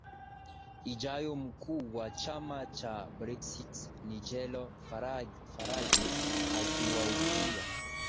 ijayo Mkuu wa chama cha Brexit Nigel Farage akiwahutubia